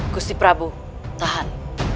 gusti prabu tahan